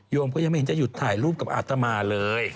โยมก็ยังไม่ได้หยุดถ่ายรูปกับอัตธรรมาเลย